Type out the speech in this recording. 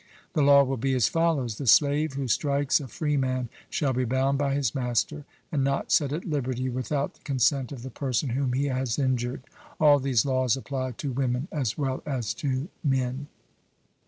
The law will be as follows: The slave who strikes a freeman shall be bound by his master, and not set at liberty without the consent of the person whom he has injured. All these laws apply to women as well as to men.